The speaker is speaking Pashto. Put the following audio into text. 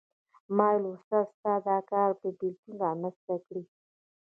ما وویل استاده ستا دا کار به بېلتون رامېنځته کړي.